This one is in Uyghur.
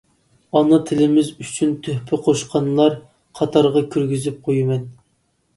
ئانا تىلىمىز ئۈچۈن تۆھپە قوشقانلار قاتارىغا كىرگۈزۈپ قويىمەن.